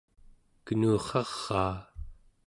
kenurraraa